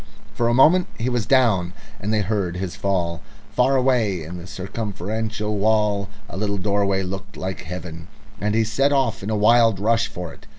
For a moment he was down and they heard his fall. Far away in the circumferential wall a little doorway looked like heaven, and he set off in a wild rush for it.